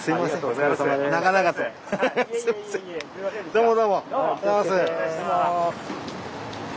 どうも。